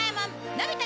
のび太！